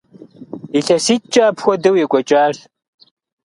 ИлъэситӀкӀэ апхуэдэу екӀуэкӀащ.